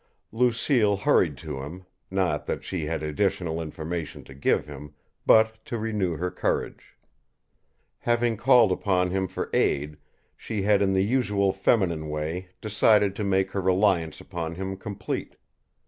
Lucille hurried to him, not that she had additional information to give him, but to renew her courage. Having called upon him for aid, she had in the usual feminine way decided to make her reliance upon him complete.